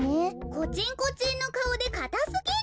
コチンコチンのかおでかたすぎる。